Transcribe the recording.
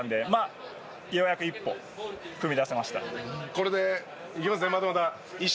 これでいけますね？